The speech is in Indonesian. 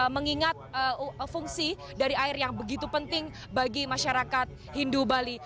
mengingat fungsi dari air yang begitu penting bagi masyarakat hindu bali